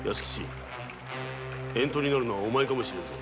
遠島になるのはお前かもしれんぞ。